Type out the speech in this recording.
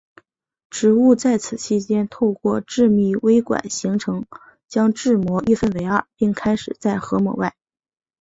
植物在此期间透过致密微管形成将质膜一分为二并开始在核膜外。